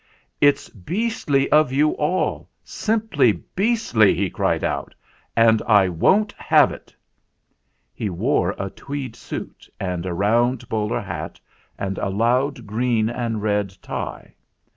"It's beastly of you all simply beastly!" he cried out. "And I won't have it!" He wore a tweed suit and a round bowler hat and a loud green and red tie.